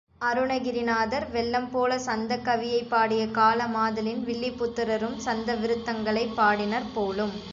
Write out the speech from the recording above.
அருணகிரிநாதர் வெள்ளம் போலச் சந்தக் கவியைப் பாடிய காலமாதலின் வில்லிபுத்துரரும் சந்த விருத்தங்களைப் பாடினர் போலும்!